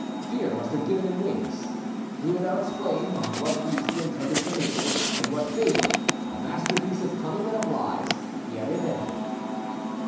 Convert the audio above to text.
Fear must have given him wings. We will now explain what use he intended to make of it, and what fable, a masterpiece of cunning and of lies, he had invented.